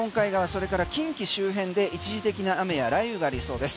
それから近畿周辺で一時的な雨や雷雨がありそうです。